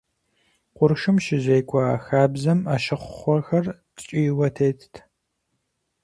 Къуршым щызекӏуэ а хабзэм ӏэщыхъуэхэр ткӏийуэ тетт.